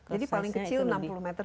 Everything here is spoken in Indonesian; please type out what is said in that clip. jadi paling kecil enam puluh meter